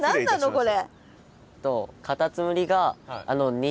これ。